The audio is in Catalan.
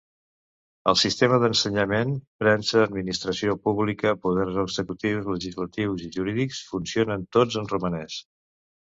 El sistema d'ensenyament, premsa, administració pública, poders executius, legislatius i jurídics funcionen tots en romanès.